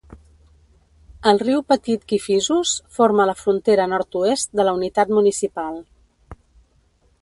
El riu petit Kifisos forma la frontera nord-oest de la unitat municipal.